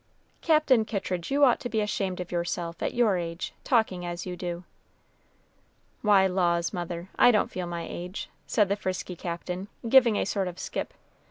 "Captain Kittridge, you ought to be ashamed of yourself, at your age, talking as you do." "Why, laws, mother, I don't feel my age," said the frisky Captain, giving a sort of skip.